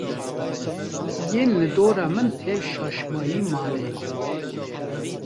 Yên li dora min tev şaşmayî mane